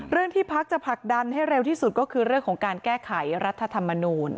ที่พักจะผลักดันให้เร็วที่สุดก็คือเรื่องของการแก้ไขรัฐธรรมนูล